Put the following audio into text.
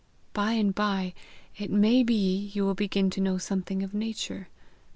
By and by, it may be, you will begin to know something of Nature.